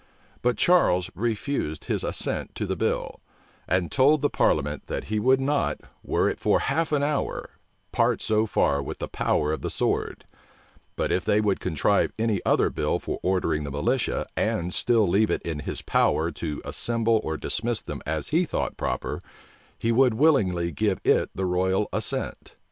[] But Charles refused his assent to the bill, and told the parliament, that he would not, were it for half an hour, part so far with the power of the sword: but if they would contrive any other bill for ordering the militia, and still leave it in his power to assemble or dismiss them as he thought proper, he would willingly give it the royal assent.